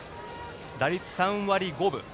打率３割５分。